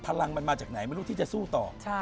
พลังมันมาจากไหนไม่รู้ที่จะสู้ต่อ